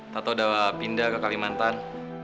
tau udah pindah ke kalimantan